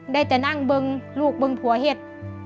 ได้แต่นั่งบึงลูกบึงผัวเห็ด